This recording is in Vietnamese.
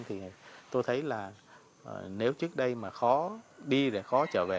thì tôi thấy là nếu trước đây mà khó đi để khó trở về